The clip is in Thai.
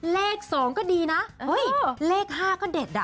เลข๒ก็ดีนะเฮ้ยเลข๕ก็เด็ดอ่ะ